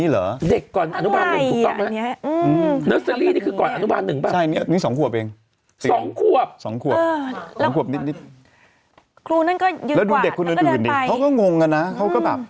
แล้วดูเด็กคนนั้นอื่นเขาก็งงกันนะ